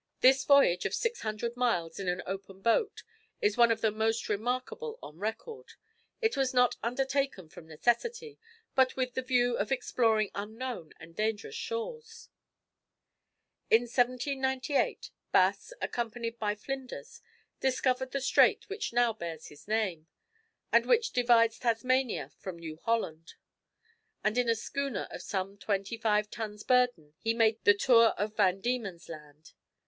This voyage of six hundred miles in an open boat, is one of the most remarkable on record. It was not undertaken from necessity, but with the view to exploring unknown and dangerous shores." In 1798, Bass, accompanied by Flinders, discovered the strait which now bears his name, and which divides Tasmania from New Holland, and in a schooner of some twenty five tons' burden, he made the tour of Van Diemen's land.